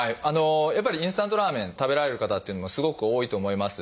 やっぱりインスタントラーメン食べられる方っていうのもすごく多いと思います。